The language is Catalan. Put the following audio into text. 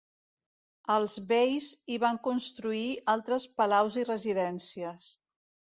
Els beis hi van construir altres palaus i residències.